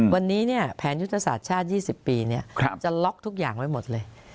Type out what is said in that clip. วันนี้แผนยุทธศาสตร์ชาติ๒๐ปีจะล็อกทุกอย่างไว้หมดเลย